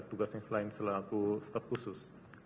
tugasnya selain selaku staf khusus